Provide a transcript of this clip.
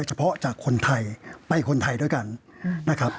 เฉพาะจากคนไทยไปคนไทยด้วยกันนะครับ